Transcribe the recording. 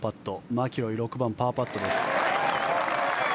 マキロイ６番、パーパットです。